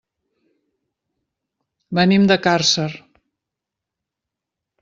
Venim de Càrcer.